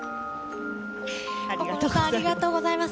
ありがとうございます。